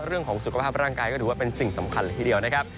เรื่องของสุขภาพร่างกายก็ถือว่าเป็นสิ่งสำคัญเลยทีเดียวนะครับ